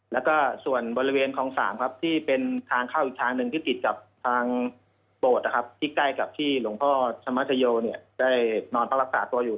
แล้วก็ส่วนบริเวณคลอง๓ครับที่เป็นทางเข้าอีกทางหนึ่งที่ติดกับทางโบสถ์นะครับที่ใกล้กับที่หลวงพ่อธรรมชโยได้นอนพักรักษาตัวอยู่